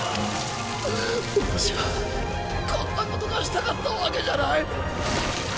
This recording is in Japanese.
私はこんなことがしたかったわけじゃない。